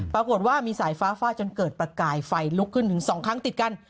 ปรากฏว่ามีสายฟ้าฟาดจนเกิดประกายไฟลุกขึ้นถึง๒ครั้งติดกัน